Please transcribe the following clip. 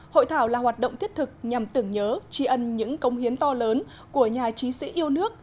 hội thảo là hoạt động thiết thực nhằm tưởng nhớ tri ân những công hiến to lớn của nhà trí sĩ yêu nước